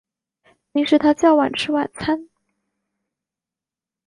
平时他较晚吃晚餐